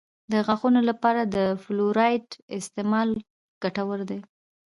د غاښونو لپاره د فلورایډ استعمال ګټور دی.